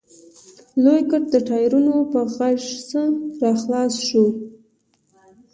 لوی ګټ د ټايرونو په غژس راخلاص شو.